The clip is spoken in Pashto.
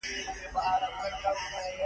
خو څنګه او په کوم ډول به دا کار وشي؟